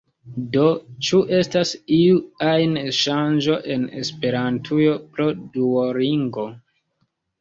Do, ĉu estas iu ajn ŝanĝo en Esperantujo pro Duolingo?